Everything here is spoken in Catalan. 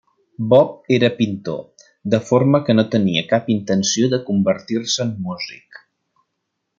Bob era pintor, de forma que no tenia cap intenció de convertir-se en músic.